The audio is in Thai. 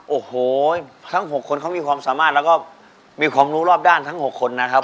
โอ้โหทั้ง๖คนเขามีความสามารถแล้วก็มีความรู้รอบด้านทั้ง๖คนนะครับ